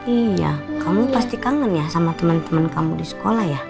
iya kamu pasti kangen ya sama teman teman kamu di sekolah ya